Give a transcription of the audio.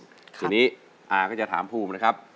ตอนนี้อาก็จะถามภูมิเลยครับ